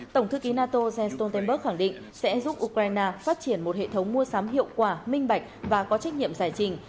tổng thư ký nato jens stoltenberg khẳng định sẽ giúp ukraine phát triển một hệ thống mua sắm hiệu quả minh bạch và có trách nhiệm giải trình